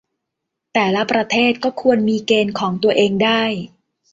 แต่ละประเทศก็ควรมีเกณฑ์ของตัวเองได้